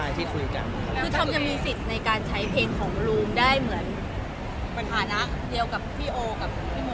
เดียวกับพี่โอกับพี่โหมนเหรอคะ